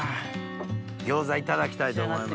餃子いただきたいと思います。